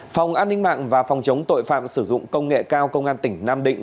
phòng an ninh mạng và phòng chống tội phạm sử dụng công nghệ cao công an tỉnh nam định